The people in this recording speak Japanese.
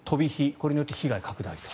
これによって被害が拡大。